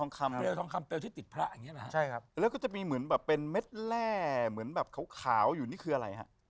อองขำด้วยที่ติดพระใช่ครับแล้วก็จะเป็นเม็ดแร่เหมือนแบบขาวอยู่นี่คืออะไร